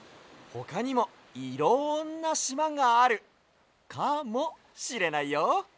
ほかにもいろんなしまがあるかもしれないよ。